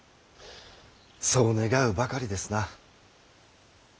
そう願うばかりですな。